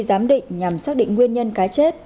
giám định nhằm xác định nguyên nhân cá chết